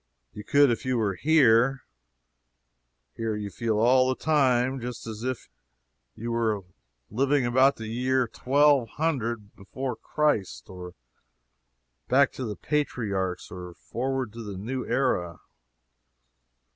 You could if you were here. Here, you feel all the time just as if you were living about the year 1200 before Christ or back to the patriarchs or forward to the New Era.